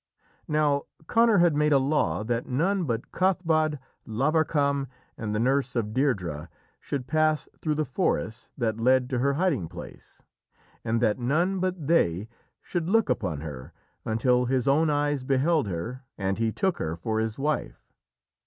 Now Conor had made a law that none but Cathbad, Lavarcam, and the nurse of Deirdrê should pass through the forest that led to her hiding place, and that none but they should look upon her until his own eyes beheld her and he took her for his wife.